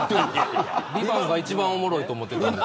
ＶＩＶＡＮＴが一番おもろいと思ってたんで。